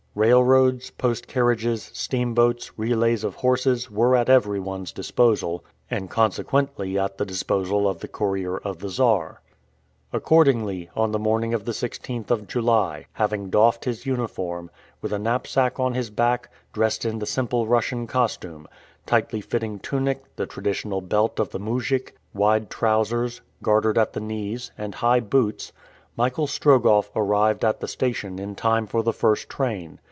Railroads, post carriages, steamboats, relays of horses, were at everyone's disposal, and consequently at the disposal of the courier of the Czar. Accordingly, on the morning of the 16th of July, having doffed his uniform, with a knapsack on his back, dressed in the simple Russian costume tightly fitting tunic, the traditional belt of the Moujik, wide trousers, gartered at the knees, and high boots Michael Strogoff arrived at the station in time for the first train.